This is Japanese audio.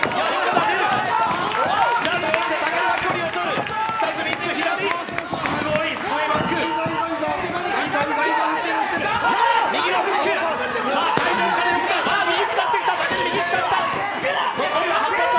武尊、右使ってきた。